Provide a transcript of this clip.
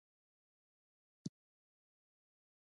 ایا ستاسو ناکامي د زده کړې سبب نه شوه؟